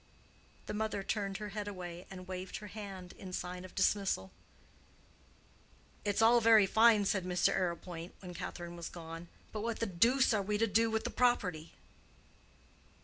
The mother turned her head away and waved her hand in sign of dismissal. "It's all very fine," said Mr. Arrowpoint, when Catherine was gone; "but what the deuce are we to do with the property?"